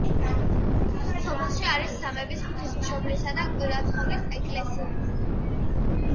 სოფელში არის სამების, ღვთისმშობლისა და კვირაცხოვლის ეკლესიები.